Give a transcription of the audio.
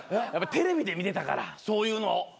テレビで見てたからそういうのを。